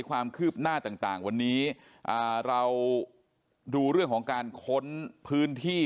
ความคืบหน้าต่างวันนี้เราดูเรื่องของการค้นพื้นที่